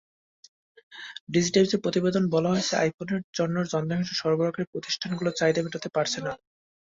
ডিজিটাইমসের প্রতিবেদনে বলা হয়েছে, আইফোনের জন্য যন্ত্রাংশ সরবরাহকারী প্রতিষ্ঠানগুলো চাহিদা মেটাতে পারছে না।